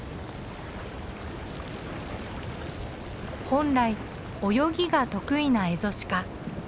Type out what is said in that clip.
本来泳ぎが得意なエゾシカ。